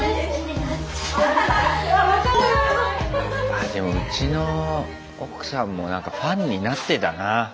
あでもうちの奥さんも何かファンになってたな。